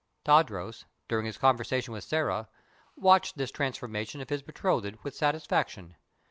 Tadros, during his conversation with Sĕra, watched this transformation of his betrothed with satisfaction.